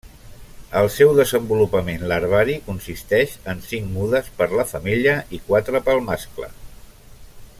El seu desenvolupament larvari consisteix en cinc mudes per la femella i quatre pel mascle.